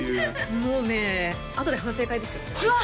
もうねあとで反省会ですようわっ！